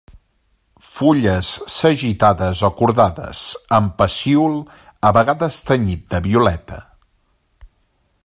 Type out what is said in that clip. Fulles sagitades o cordades, amb pecíol a vegades tenyit de violeta.